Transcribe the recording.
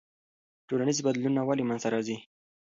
ټولنیز بدلونونه ولې منځ ته راځي؟